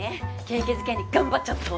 景気づけに頑張っちゃった。